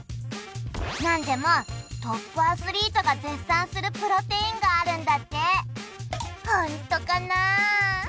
なんでもトップアスリートが絶賛するプロテインがあるんだってホントかな？